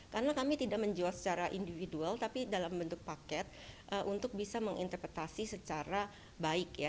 karena kami tidak menjual secara individual tapi dalam bentuk paket untuk bisa menginterpretasi secara baik ya